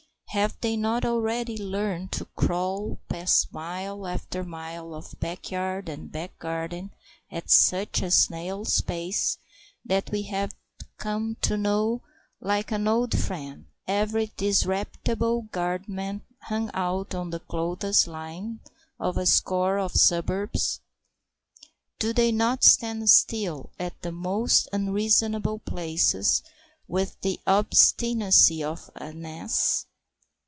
Have they not already learned to crawl past mile after mile of backyard and back garden at such a snail's pace that we have come to know like an old friend every disreputable garment hung out on the clothes lines of a score of suburbs? Do they not stand still at the most unreasonable places with the obstinacy of an ass?